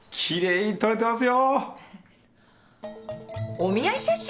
お見合い写真？